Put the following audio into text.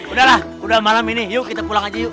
udahlah udah malam ini yuk kita pulang aja yuk